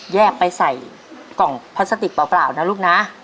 แยกไปใส่กล่องพลาสติกเปล่านะลูกนะ